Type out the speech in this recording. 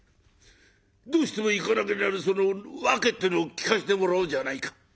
どうしても行かなけりゃならないその訳ってのを聞かせてもらおうじゃないか」。